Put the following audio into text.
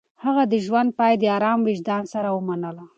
هغه د ژوند پاى د ارام وجدان سره ومنله.